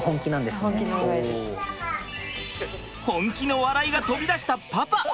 本気の笑いが飛び出したパパ！